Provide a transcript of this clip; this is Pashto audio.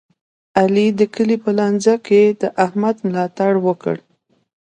علي د کلي په لانجه کې د احمد ملا تړ وکړ.